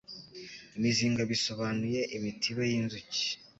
Imizinga bisobanuye Imitiba y'inzuki.